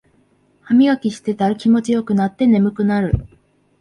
ハミガキしてたら気持ちよくなって眠くなる